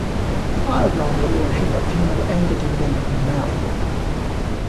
I'd rather worship a female entity than a male one.